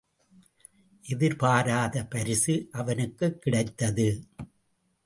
எதிர்பாராத பரிசு அவனுக்குக் கிடைத்தது.